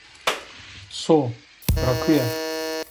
So, rakuye.